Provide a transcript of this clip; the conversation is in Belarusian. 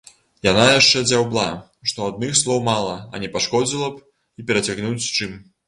Яна яшчэ дзяўбла, што адных слоў мала, а не пашкодзіла б і перацягнуць чым.